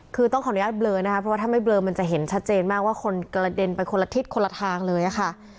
คือต้องขออนุญาตเบลอนะคะเพราะว่าถ้าไม่เลอมันจะเห็นชัดเจนมากว่าคนกระเด็นไปคนละทิศคนละทางเลยค่ะ